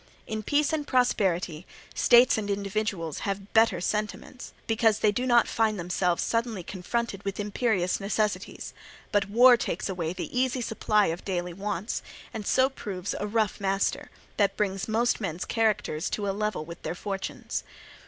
In peace and prosperity, states and individuals have better sentiments, because they do not find themselves suddenly confronted with imperious necessities; but war takes away the easy supply of daily wants, and so proves a rough master, that brings most men's characters to a level with their fortunes.